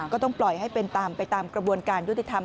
ก็ต้องปล่อยให้เป็นตามไปตามกระบวนการยุติธรรม